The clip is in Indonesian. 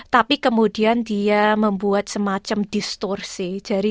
tapi kemudian dia membuat semacam distorsi